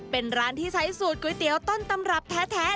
เป็นร้านที่ใช้สูตรก๋วยเตี๋ยวต้นตำรับแท้